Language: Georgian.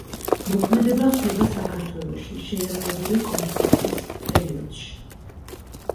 მოქმედება ხდება საქართველოში, შეიარაღებული კონფლიქტის პერიოდში.